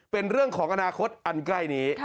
เป็นเรื่องของอนาคตอันใกล้นี้